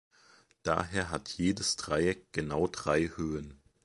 Daher hat jedes Dreieck genau drei Höhen.